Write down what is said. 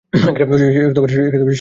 সে কথা মিছে নয়।